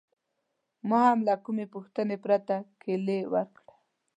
ما هم له کومې پوښتنې پرته کیلي ورکړه.